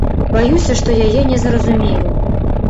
Баюся, што яе не зразумелі.